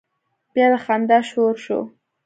بيا د خندا شور شو.